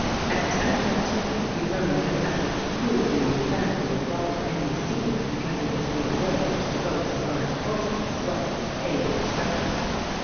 "At ten o'clock tonight we learn of an effort to prove the insanity of Robert Endy, Sr., because he has made a will which devotes a large portion of his wealth to the aid of the strikers.